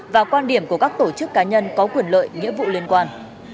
và quan điểm của các tổ chức cá nhân có quyền lợi nghĩa vụ liên quan